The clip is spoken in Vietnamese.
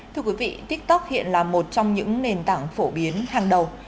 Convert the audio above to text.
thưa quý vị tiktok hiện là một trong những nền tảng phổ biến hàng đầu